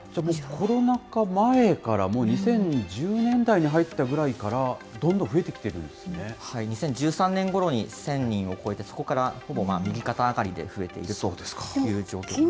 コロナ禍前から、もう２０１０年代に入ったぐらいから、どん２０１３年ごろに１０００人を超えて、そこからほぼ右肩上がりで増えているという状況です。